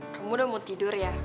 kamu udah mau tidur ya